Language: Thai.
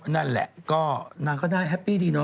นั่นแหละก็นางก็น่าแฮปปี้ดีเนอ